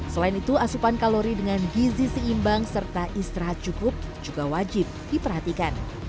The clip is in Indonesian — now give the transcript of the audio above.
selain itu asupan kalori dengan gizi seimbang serta istirahat cukup juga wajib diperhatikan